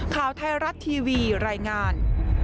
ข่าวไทยรัฐทีวีรายงาน